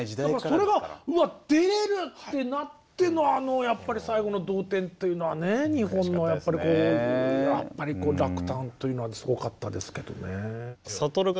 それがうわっ出れるってなってのあの最後の同点というのはね日本のやっぱりこう落胆というのはすごかったですけどね。